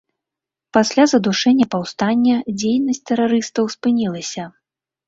Пасля задушэння паўстання дзейнасць тэрарыстаў спынілася.